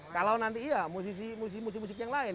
kalau nanti musisi musisi yang lain